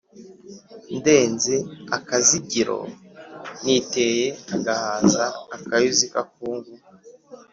Ndenze akazigiro niteye agahaza-Akayuzi k'akungu.